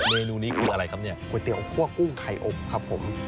เมนูนี้คืออะไรครับเนี่ยก๋วยเตี๋ยคั่วกุ้งไข่อบครับผม